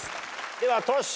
ではトシ。